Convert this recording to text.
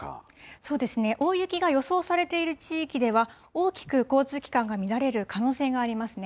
そうですね、大雪が予想されている地域では、大きく交通機関が乱れる可能性がありますね。